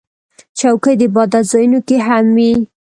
چوکۍ د عبادت ځایونو کې هم وي.